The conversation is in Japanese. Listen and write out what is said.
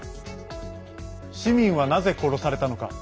市民は、なぜ殺されたのか。